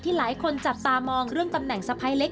หลายคนจับตามองเรื่องตำแหน่งสะพ้ายเล็ก